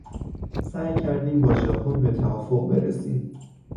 سعی کردیم با ژاپن به توافق برسیم.